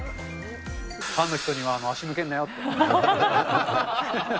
ファンの人には足向けんなよって。